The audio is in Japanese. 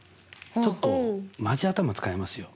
ちょっとマジ頭使いますよ。